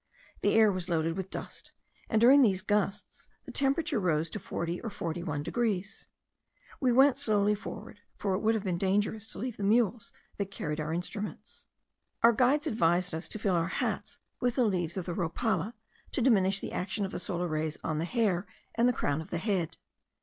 The air was loaded with dust; and during these gusts the thermometer rose to 40 or 41 degrees. We went slowly forward, for it would have been dangerous to leave the mules that carried our instruments. Our guides advised us to fill our hats with the leaves of the rhopala, to diminish the action of the solar rays on the hair and the crown of the head.